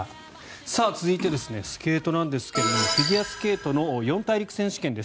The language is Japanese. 続いて、スケートなんですがフィギュアスケートの四大陸選手権です。